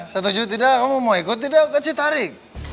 setuju tidak kamu mau ikut tidak ke citarik